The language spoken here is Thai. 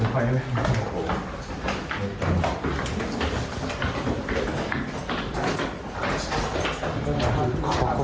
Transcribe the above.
มีอะไรบ้าง